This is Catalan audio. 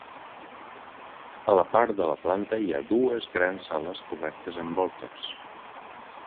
A la part de la planta hi ha dues grans sales cobertes amb voltes.